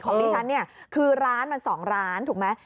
ดิฉันเนี่ยคือร้านมัน๒ร้านถูกไหม